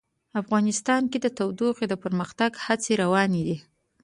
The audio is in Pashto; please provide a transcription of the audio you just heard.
افغانستان کې د تودوخه د پرمختګ هڅې روانې دي.